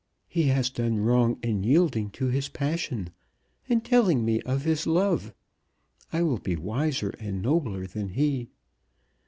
He has done wrong in yielding to his passion, and telling me of his love. I will be wiser and nobler than he.